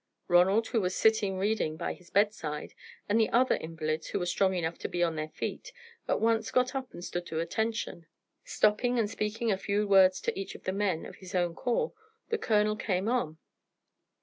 Ronald, who was sitting reading by his bedside, and the other invalids who were strong enough to be on their feet, at once got up and stood at attention. Stopping and speaking a few words to each of the men of his own corps, the colonel came on.